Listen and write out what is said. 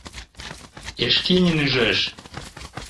Эшкинин ӱжеш.